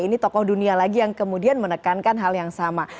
ini tokoh dunia lagi yang kemudian menekankan hal yang sama